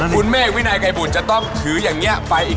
คุณเมอร์วินาไอไกบุชจะต้องถืออย่างนี้ไปอีก